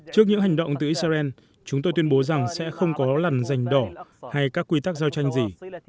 trước những hành động từ israel chúng tôi tuyên bố rằng sẽ không có lần giành đỏ hay các quy tắc giao tranh gì